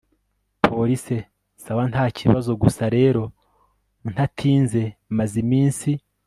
Police Sawa ntakibazo gusa rero ntatinze maze iminsi